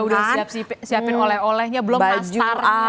udah siapin oleh olehnya belum pasta